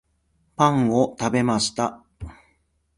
パンを食べました